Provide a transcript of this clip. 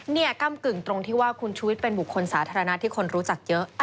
ก้ำกึ่งตรงที่ว่าคุณชุวิตเป็นบุคคลสาธารณะที่คนรู้จักเยอะ